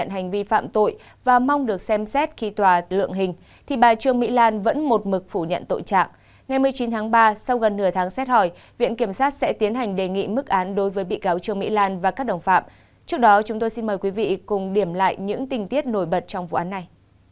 trước đó chúng tôi xin mời quý vị cùng điểm lại những tình tiết nổi bật trong vụ án này